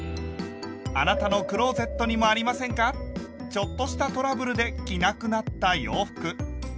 ちょっとしたトラブルで着なくなった洋服。